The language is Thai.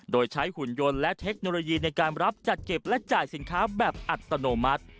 โดยใช้หุ่นยนต์และเทคโนโลยีในการรับจัดเก็บและจ่ายสินค้าแบบอัตโนมัติ